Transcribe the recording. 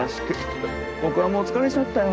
僕はもう疲れちゃったよ。